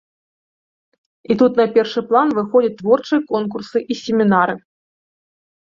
І тут на першы план выходзяць творчыя конкурсы і семінары.